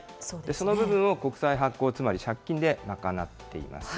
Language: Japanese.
その部分を国債発行、つまり借金で賄っています。